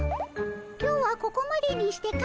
今日はここまでにして帰るかの。